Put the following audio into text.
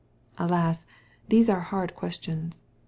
Alas ! these are hard questions.